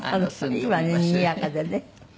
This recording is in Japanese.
いいわねにぎやかでね。